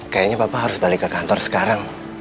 kayaknya bapak harus balik ke kantor sekarang